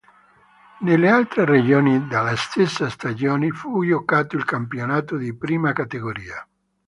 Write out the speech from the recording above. Nelle altre regioni nella stessa stagione fu giocato il campionato di Prima Categoria.